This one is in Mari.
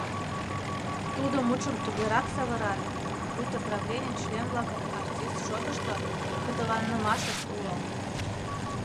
Тудо мутшым тугерак савырале, пуйто правлений член-влакын артист шотышто кокытеланымашышт уло.